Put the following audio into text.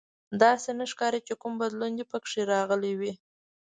داسې نه ښکاري چې کوم بدلون دې پکې راغلی وي